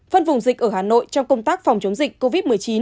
phân vùng dịch ở hà nội trong công tác phòng chống dịch covid một mươi chín